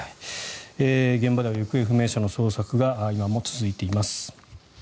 現場では行方不明者の捜索が今も続いています。